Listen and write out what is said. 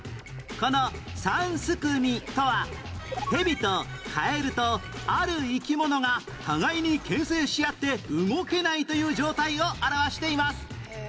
この三すくみとはヘビとカエルとある生き物が互いに牽制し合って動けないという状態を表しています